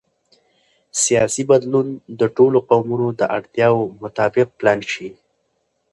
سیاسي بدلون د ټولو قومونو د اړتیاوو مطابق پلان شي